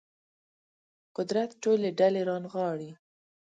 قدرت ټولې ډلې رانغاړي